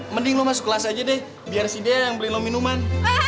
mending lo masuk kelas aja deh biar si dia yang beli lo minuman